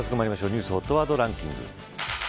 ニュースＨＯＴワードランキング。